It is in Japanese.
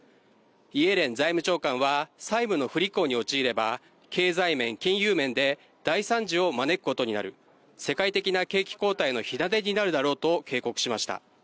イエレン財務長官は、債務の不履行に陥れば経済面・金融面で大惨事を招くことになる、世界的な景気後退の火種になるだろうと警告しました。